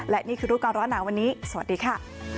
และนี่คือรูปการณ์หนาวันนี้สวัสดีค่ะ